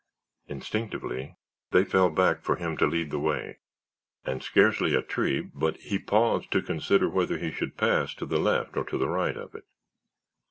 Instinctively, they fell back for him to lead the way and scarcely a tree but he paused to consider whether he should pass to the left or the right of it.